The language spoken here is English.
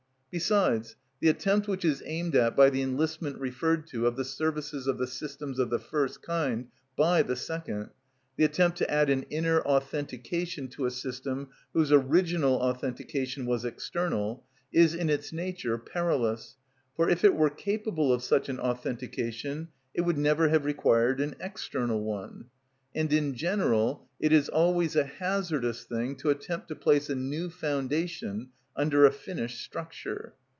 Besides, the attempt which is aimed at by the enlistment referred to of the services of the systems of the first kind by the second—the attempt to add an inner authentication to a system whose original authentication was external, is in its nature perilous; for, if it were capable of such an authentication, it would never have required an external one. And in general it is always a hazardous thing to attempt to place a new foundation under a finished structure.